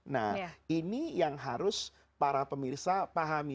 nah ini yang harus para pemirsa pahami